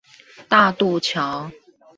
大度橋